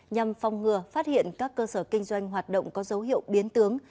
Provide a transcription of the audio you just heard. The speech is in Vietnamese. nhằm phong ngừa phát hiện các cơ sở kinh doanh hoạt động có dấu hiệu biến tướng